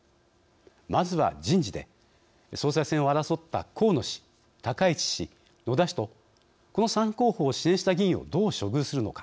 まずは、人事で総裁選を争った河野氏、高市氏、野田氏とこの３候補を支援した議員をどう処遇するのか。